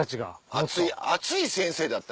熱い先生だった。